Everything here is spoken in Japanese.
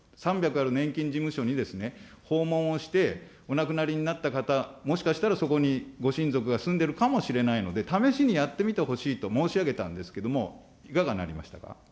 ある年金事務所に訪問をして、お亡くなりになった方、もしかしたらそこにご親族が住んでるかもしれないので、試しにやってみてほしいと、申し上げたんですけれども、いかがなりましたか。